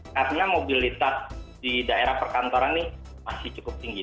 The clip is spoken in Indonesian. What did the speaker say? karena mobilitas di daerah perkantoran ini masih cukup tinggi